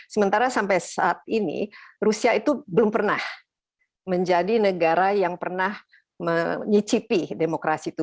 sementara sampai saat ini rusia itu belum pernah menjadi negara yang pernah menyicipi demokrasi itu